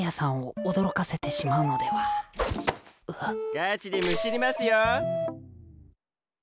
ガチでむしりますよ！